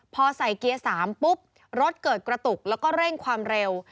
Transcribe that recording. พอใส่เกียร์๓ปุ๊บรถเกิดกระตุกแล้วก็เร่งความเร็ว